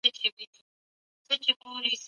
پلار وویل چي نظم مهم دی.